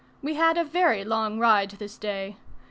We had a very long ride this day.